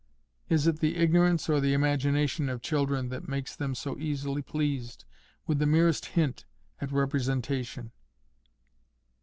—Is it the ignorance or the imagination of children that makes them so easily pleased with the merest hint at representation?